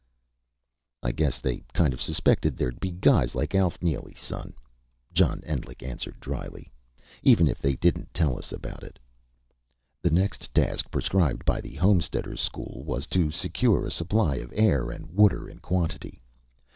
"I guess they kind of suspected there'd be guys like Alf Neely, son," John Endlich answered dryly. "Even if they didn't tell us about it." The next task prescribed by the Homesteaders' School was to secure a supply of air and water in quantity.